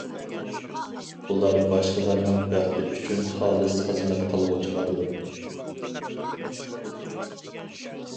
ئۇلار باشقىلارنىڭ بەختى ئۈچۈن خالىس خىزمەت قىلغۇچىلاردۇر.